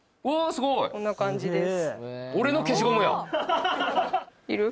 すごいこんな感じです